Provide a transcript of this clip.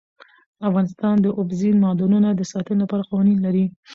افغانستان د اوبزین معدنونه د ساتنې لپاره قوانین لري.